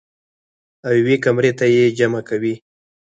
او يوې کمرې ته ئې جمع کوي -